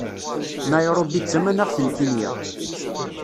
Nayṛubi d tamanaxt n Kinya